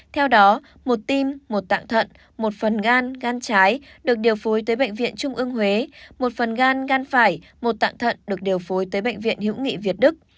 theo đó một tim một tạng thận một phần gan gan trái được điều phối tới bệnh viện trung ương huế một phần gan gan phải một tạng thận được điều phối tới bệnh viện hữu nghị việt đức